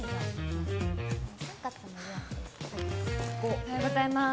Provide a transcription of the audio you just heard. おはようございます